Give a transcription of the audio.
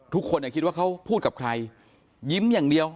ทุกคนคิดว่าเขาพูดกับใครยิ้มอย่างเดียว